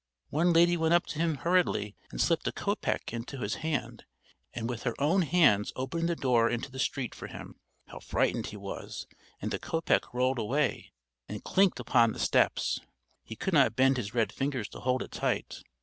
One lady went up to him hurriedly and slipped a kopeck into his hand, and with her own hands opened the door into the street for him! How frightened he was. And the kopeck rolled away and clinked upon the steps; he could not bend his red fingers to hold it tight.